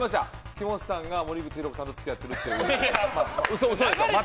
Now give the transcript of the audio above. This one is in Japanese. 木本さんが森口博子さんと付き合ってるって。